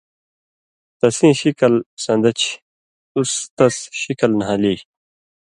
تسیں شِکل سَن٘دہ چھی، تُس تس شِکل نھالی: